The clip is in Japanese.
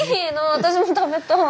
私も食べたい。